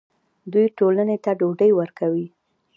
دوی ټولنې ته ډوډۍ ورکوي.